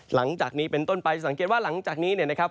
หลังจากนี้เป็นต้นไปสังเกตว่าหลังจากนี้เนี่ยนะครับ